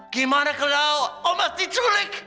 gimana kalau omas diculik